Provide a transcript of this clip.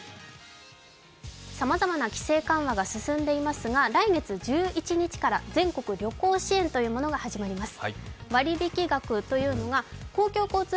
さまざまな規制緩和が続いていますが来月１１日から全国旅行支援というものが始まります。